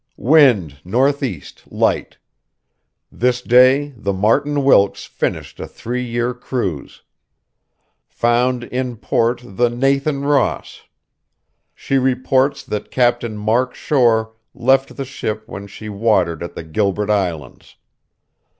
"Wind northeast, light. This day the Martin Wilkes finished a three year cruise. Found in port the Nathan Ross. She reports that Captain Mark Shore left the ship when she watered at the Gilbert Islands.